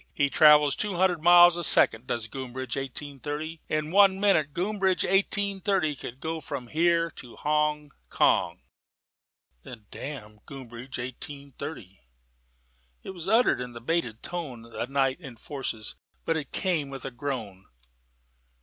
He travels two hundred miles a second, does Groombridge Eighteen thirty. In one minute Groombridge Eighteen thirty could go from here to Hong Kong." "Then damn Groombridge Eighteen thirty!" It was uttered in the bated tone that night enforces: but it came with a groan.